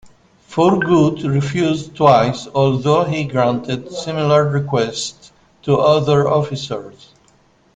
Fourgeoud refused twice, although he granted similar requests to other officers.